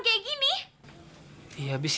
aku jangan katakan